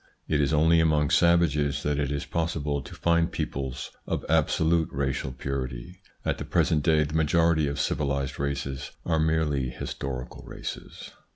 It is only among savages that it is possible to find peoples of absolute racial purity. At the present day the majority of civilised races are merely historical races.